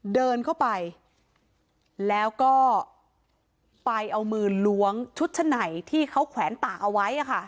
เดินเข้าไปแล้วก็ไปเอามือล้วงชุดชั้นไหนที่เขาแขวนตากเอาไว้